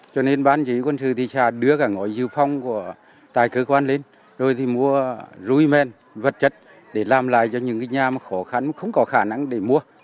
cho nên bán chí quân sự thì đưa cả ngói dư phong của tài cơ quan lên rồi thì mua ruy men vật chất để làm lại cho những nhà khó khăn không có khả năng để mua